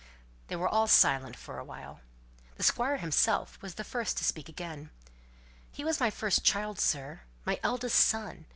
They were all silent for a while. The Squire himself was the first to speak again, "He was my first child, sir; my eldest son.